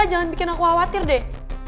jangan bikin aku khawatir deh